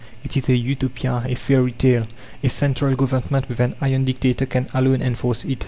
It is a Utopia, a fairy tale. A central Government, with an 'iron' dictator, can alone enforce it."